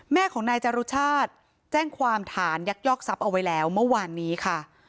แม่ของนายจรุชาติแจ้งความฐานยักยอกทรัพย์เอาไว้แล้วเมื่อวานนี้ค่ะ